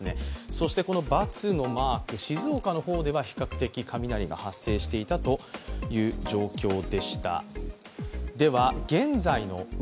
そして×のマーク、静岡の方では比較的雷が発生していたという状況でした。